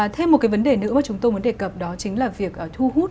thêm một cái vấn đề nữa mà chúng tôi muốn đề cập đó chính là việc thu hút